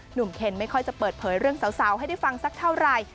เคนไม่ค่อยจะเปิดเผยเรื่องสาวให้ได้ฟังสักเท่าไหร่